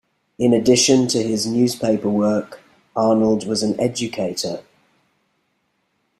In addition to his newspaper work, Arnold was an educator.